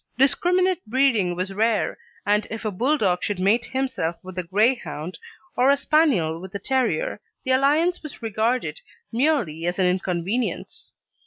Discriminate breeding was rare, and if a Bulldog should mate himself with a Greyhound, or a Spaniel with a Terrier, the alliance was regarded merely as an inconvenience.